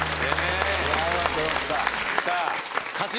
よかったよかった。